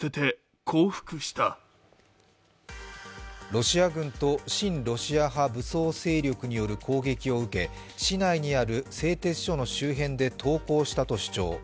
ロシア軍と親ロシア派武装勢力による攻撃を受け、市内にある製鉄所の周辺で投降したと主張。